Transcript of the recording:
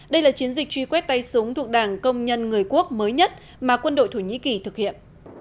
đây là chiến dịch truy quét tay súng thuộc đảng công nhân người quốc mới nhất mà quân đội thổ nhĩ kỳ thực hiện